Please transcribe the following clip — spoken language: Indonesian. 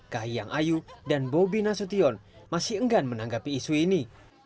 kahiyang ayu dan bobi nasution masih enggan menanggapi isu ini